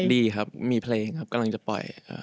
ดีครับมีเพลงครับกำลังจะปล่อย